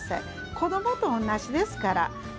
子どもと同じですから優しく。